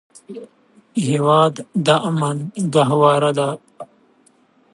هېواد د امن ګهواره ده.